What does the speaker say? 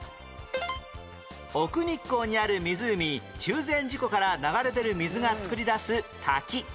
奥日光にある湖中禅寺湖から流れ出る水が作り出す滝